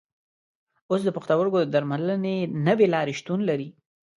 اوس د پښتورګو د درملنې نوې لارې شتون لري.